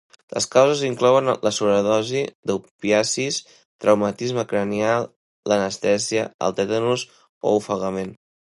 Les causes inclouen la sobredosi d'opiacis, traumatisme cranial, l'anestèsia, el tètanus, o ofegament.